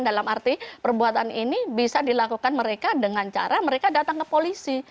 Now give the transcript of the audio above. dalam arti perbuatan ini bisa dilakukan mereka dengan cara mereka datang ke polisi